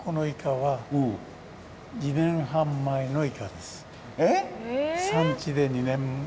はい。